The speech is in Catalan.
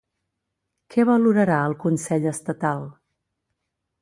Què valorarà el consell estatal?